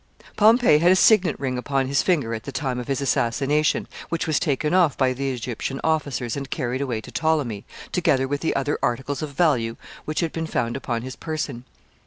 ] Pompey had a signet ring upon his finger at the time of his assassination, which was taken off by the Egyptian officers and carried away to Ptolemy, together with the other articles of value which had been found upon his person.